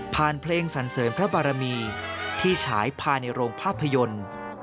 เพลงสันเสริญพระบารมีที่ฉายภายในโรงภาพยนตร์